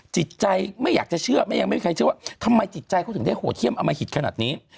จิตใจไม่อยากจะเชื่อยังไม่มีใครเชื่อว่าทำไมจิตใจเขาถึงได้โหดเยี่ยมอมหิตขนาดนี้